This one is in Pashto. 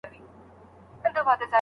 وړی يې له ځان سره په پور دی لمبې کوي